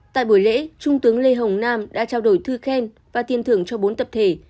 tại buổi lễ trung tướng lê hồng nam đã trao đổi thư khen và tiền thưởng cho bốn tập thể